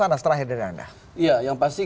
panas terakhir dari anda iya yang pasti